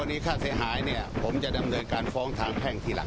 ตอนนี้ค่าเสียหายเนี่ยผมจะดำเนินการฟ้องทางแพ่งทีหลัง